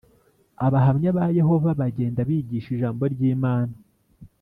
Abahamya ba yehova bagenda bigisha ijambo ry’Imana